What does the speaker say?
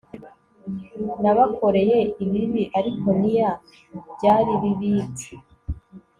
Nabakoreye ibibi ariko neer byari bibid